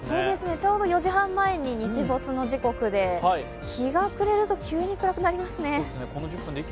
ちょうど４時半前に日没の時刻で、日が暮れると急に暗くなりますね。